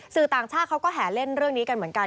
สื่อต่างชาติเขาก็แห่เล่นเรื่องนี้กันเหมือนกัน